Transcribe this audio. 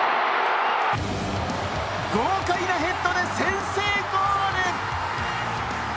豪快なヘッドで先制ゴール！